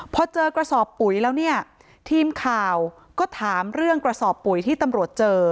พอเจอกระสอบปุ๋ยแล้วเนี่ยทีมข่าวก็ถามเรื่องกระสอบปุ๋ยที่ตำรวจเจอ